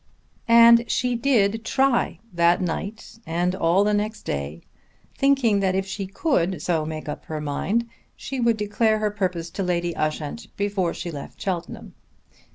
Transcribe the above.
And she did try that night and all the next day, thinking that if she could so make up her mind she would declare her purpose to Lady Ushant before she left Cheltenham.